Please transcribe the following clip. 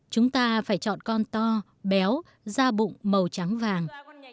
chúng ta phải chọn con to béo da bụng màu trắng vàng